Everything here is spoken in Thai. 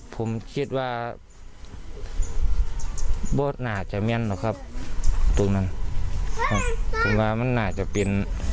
ผมคิดว่าบ้นน่าจะแม่นผมว่ามันน่าจะเป็น